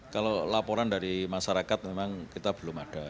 kalau laporan dari masyarakat memang kita belum ada